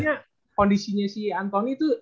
soalnya soalnya sebenernya kondisinya si antoni tuh